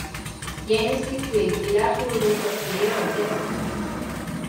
James Hetfield y Lars Ulrich escribieron el tema.